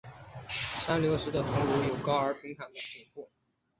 三瘤齿兽类的头颅有高而平坦的顶部。